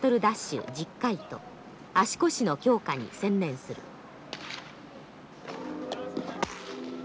ダッシュ１０回と足腰の強化に専念する。